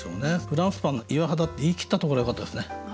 「フランスパンの岩肌」って言い切ったところがよかったですね。